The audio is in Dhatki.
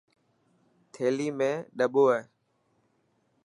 ٿيلي ۾ ڏٻو هي.